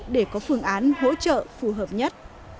để có phương án hỗ trợ phù hợp nhất